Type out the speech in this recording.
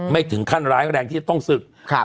ไม่ถึงขั้นร้ายแรงที่จะต้องศึก